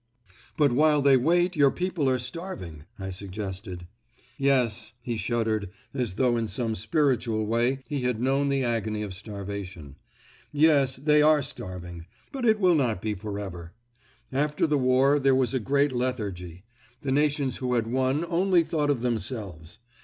"But while they wait your people are starving," I suggested. "Yes." He shuddered as though in some spiritual way he had known the agony of starvation. "Yes, they are starving; but it will not be for ever. After the war there was a great lethargy. The nations who had won only thought of themselves.